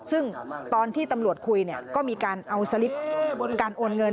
ซึ่งตอนที่ตำรวจคุยก็มีการเอาสลิปการโอนเงิน